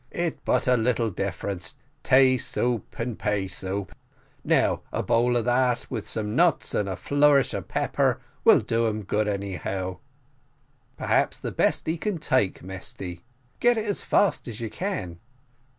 It but a little difference, tay soup and pay soup. Now a bowl of that, with some nuts and a flourish of pepper will do him good, anyhow." "Perhaps the best thing he can take, Mesty; get it as fast as you can."